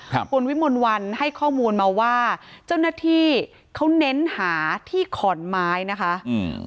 ครับคุณวิมลวันให้ข้อมูลมาว่าเจ้าหน้าที่เขาเน้นหาที่ขอนไม้นะคะอืม